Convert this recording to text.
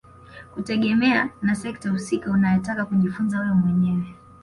Kutegemea na sekta husika unayotaka kujifunza wewe mwenyewe